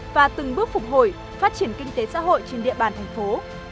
và từng bước phục hồi phát triển kinh tế xã hội trên địa bàn thành phố